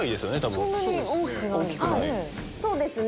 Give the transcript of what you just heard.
そんなに大きくないですね。